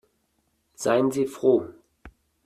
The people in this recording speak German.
Seien Sie froh.